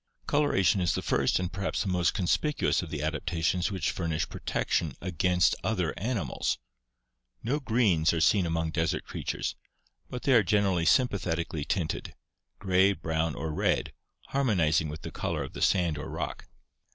Coloration is the first and perhaps the most conspicuous of the adaptations which furnish protection against other animals. No greens are seen among desert creatures, but they are generally sympathetically tinted — gray, brown, or red, harmonizing with the color of the sand or rock.